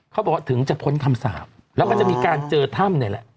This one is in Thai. เขาบอกถึงจะพ้นคำสาปแล้วก็จะมีการเจอถ้ำเนี่ยแหละ